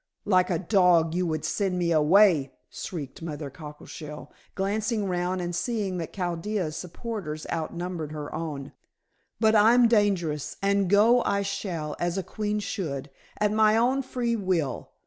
"Like a dog you would send me away," shrieked Mother Cockleshell, glancing round and seeing that Chaldea's supporters outnumbered her own. "But I'm dangerous, and go I shall as a queen should, at my own free will.